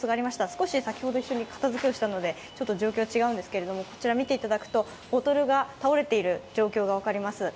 少し先ほど片づけをしたので状況は違うんですがこちら見ていただくと、ボトルが倒れている状況が分かります。